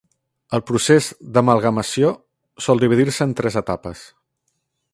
El procés d'amalgamació sol dividir-se en tres etapes.